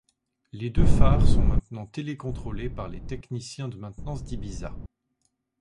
Les deux phares sont maintenant télécontrôlés par les techniciens de maintenance d'Ibiza.